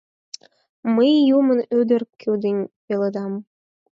Мый юмын ӱдыр кӱдынь пеледам.